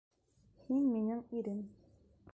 Һин минең ирем!